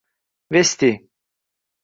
Vesti